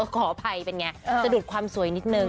ขออภัยเป็นไงสะดุดความสวยนิดนึง